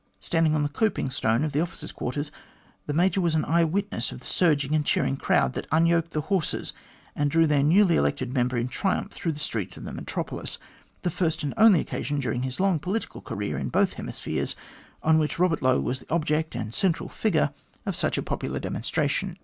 Standing on the coping stone of the officers' quarters^ the Major was an eye witness of the surging and cheering crowd that unyoked the horses and drew their newly elected member in triumph through the streets of the metropolis the first and only occasion during his long political career in both hemispheres on which Eobert Lowe was the object and central figure of such a popular demonstration.